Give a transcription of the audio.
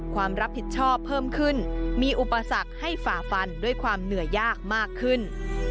ความรับผิดชอบเพิ่มขึ้นมีอุปสรรคให้ฝ่าฟันด้วยความเหนื่อยยากมากขึ้น